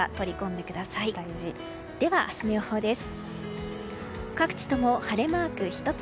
では、明日の予報です。